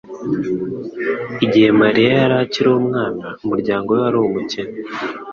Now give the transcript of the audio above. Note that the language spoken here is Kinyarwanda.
Igihe Mariya yari akiri umwana, umuryango we wari umukene.